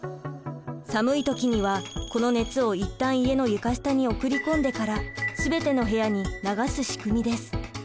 寒い時にはこの熱を一旦家の床下に送り込んでから全ての部屋に流す仕組みです。